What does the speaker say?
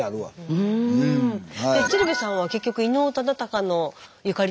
鶴瓶さんは結局伊能忠敬のゆかりの場所には？